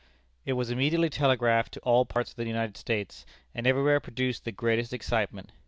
It was immediately telegraphed to all parts of the United States, and everywhere produced the greatest excitement.